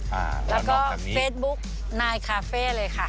แล้วก็เฟซบุ๊กนายคาเฟ่เลยค่ะ